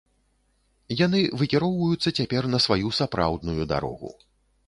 Яны выкіроўваюцца цяпер на сваю сапраўдную дарогу.